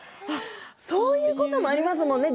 そういうこともありますものね